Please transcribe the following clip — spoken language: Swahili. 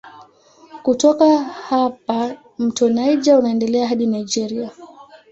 Kutoka hapa mto Niger unaendelea hadi Nigeria.